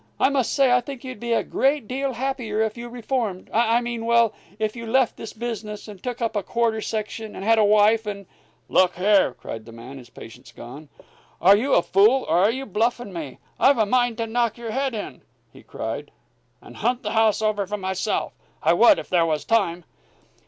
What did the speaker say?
I must say I think you'd be a great deal happier if you reformed I mean well, if you left this business, and took up a quarter section, and had a wife and " "Look here!" cried the man, his patience gone. "Are you a fool, or are you bluffing me? I've half a mind to knock your head in," he cried, "and hunt the house over for myself! I would, if there was time."